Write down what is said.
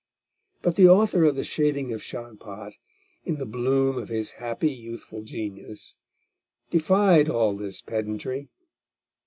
But the author of The Shaving of Shagpat, in the bloom of his happy youthful genius, defied all this pedantry.